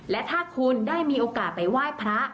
และถ้าคุณได้มีโอกาสไปไหว้พระ